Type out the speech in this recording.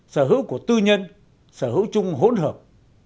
sở hữu của tư nhân sở hữu chung hỗn hợp